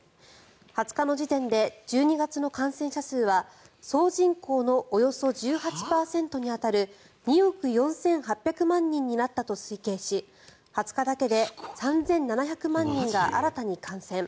２０日の時点で１２月の感染者数は総人口のおよそ１８％に当たる２億４８００万人になったと推計し２０日だけで３７００万人が新たに感染。